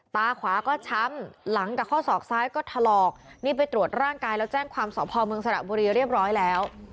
ตาขวาก็ช้ำหลังกับข้อศอกซ้ายก็ถลอกนี่ไปตรวจร่างกายแล้วแจ้งความสอบพอเมืองสระบุรีเรียบร้อยแล้ว